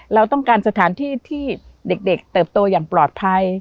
เราต้องการสถานที่ที่เด็กเติบโตอย่างปลอดภัย